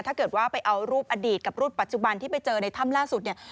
ถ้าเกิดว่าไปเอารูปอดีตกับรูปปัจจุบันที่ไปเจอในถ้ำล่าสุดเนี่ย